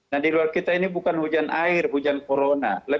nah di luar kita ini bukan hujan air hujan corona